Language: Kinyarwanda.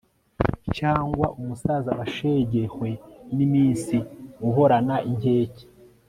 cyangwa umusaza washegehwe n'iminsi, uhorana inkeke